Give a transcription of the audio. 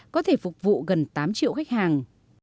giới thiệu khách hàng